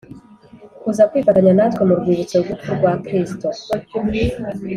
kuza kwifatanya natwe mu Rwibutso rw urupfu rwa Kristo